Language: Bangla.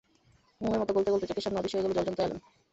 মোমের মতো গলতে গলতে চোখের সামনে অদৃশ্য হয়ে গেল জলজ্যান্ত অ্যালান।